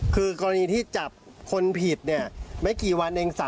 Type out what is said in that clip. คือกรณีที่จับคนผิดเนี่ย